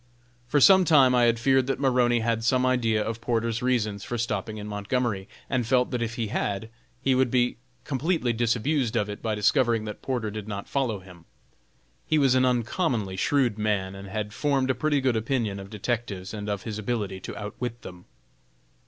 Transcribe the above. For some time I had feared that Maroney had some idea of Porter's reasons for stopping in Montgomery, and felt that if he had, he would be completely disabused of it by discovering that Porter did not follow him. He was an uncommonly shrewd man and had formed a pretty good opinion of detectives and of his ability to outwit them.